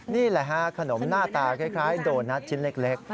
นี่แหละฮะขนมหน้าตาคล้ายโดนัทชิ้นเล็ก